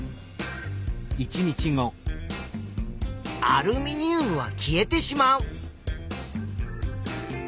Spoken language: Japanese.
アルミニウムは消えてしまう。